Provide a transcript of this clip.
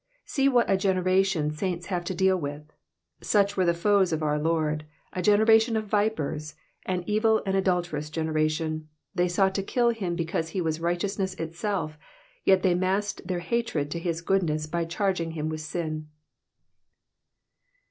See what a generation saints have to deal with ! Such were the foes of our Lord, a generation of vipers, an evil and adulterous generation ; they sought to kill him because he was righteousness itself, yet they masked their hatred to his goodness by charging him with sin.